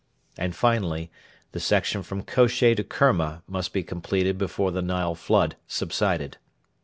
And, finally, the section from Kosheh to Kerma must be completed before the Nile flood subsided.